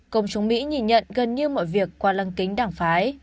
công chúng mỹ nhìn nhận gần như mọi việc qua lăng kính đảng phái